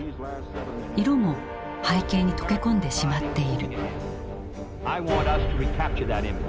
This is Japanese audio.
色も背景に溶け込んでしまっている。